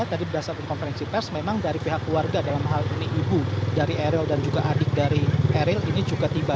tadi berdasarkan konferensi pers memang dari pihak keluarga dalam hal ini ibu dari eril dan juga adik dari eril ini juga tiba